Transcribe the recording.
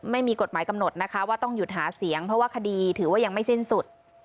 ไม่มีกฎหมายกำหนดนะคะว่าต้องหยุดหาเสียงเพราะว่าคดีถือว่ายังไม่สิ้นสุด